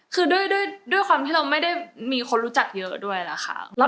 คือด้วยความที่เราไม่ได้มีคนรู้จักเยอะด้วยล่ะค่ะ